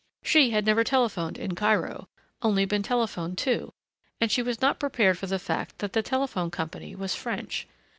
She had never telephoned in Cairo only been telephoned to and she was not prepared for the fact that the telephone company was French.